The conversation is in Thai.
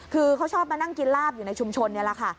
คือเขาชอบมานั่งกินลาบอยู่ในชุมชนนี่แหละค่ะ